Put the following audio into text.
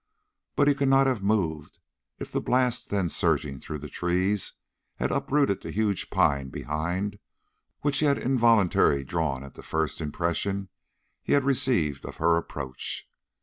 But he could not have moved if the blast then surging through the trees had uprooted the huge pine behind which he had involuntarily drawn at the first impression he had received of her approach.